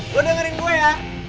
lo dengerin gue ya